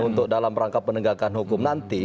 untuk dalam rangka penegakan hukum nanti